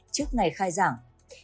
trước ngày khai giảng